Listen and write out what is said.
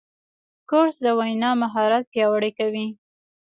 کورس د وینا مهارت پیاوړی کوي.